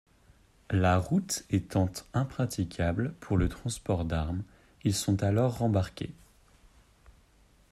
La route étant impraticable pour le transport d'armes, ils sont alors rembarqués.